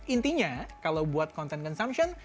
intinya kalau buat content consumption